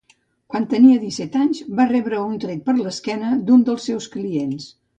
Quan tenia disset anys, va rebre un tret per l'esquena d'un dels seus clients.